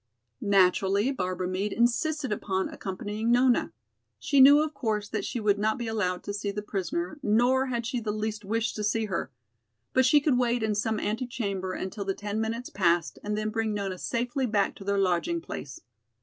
Naturally Barbara Meade insisted upon accompanying Nona. She knew, of course, that she would not be allowed to see the prisoner, nor had she the least wish to see her. But she could wait in some antechamber until the ten minutes passed and then bring Nona safely back to their lodging place.